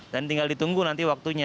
dan tinggal ditunggu nanti waktunya